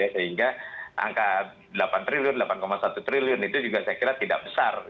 sehingga angka delapan triliun delapan satu triliun itu juga saya kira tidak besar